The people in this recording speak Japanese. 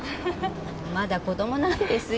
まだ子供なんですよ。